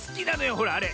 ほらあれ。